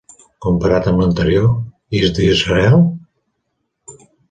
Comparat amb l'anterior, "Is This Real?"